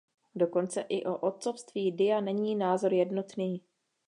Dokonce i o otcovství Dia není názor jednotný.